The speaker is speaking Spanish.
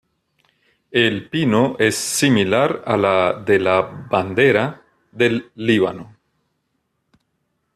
El Pino es similar a la de la Bandera del Líbano.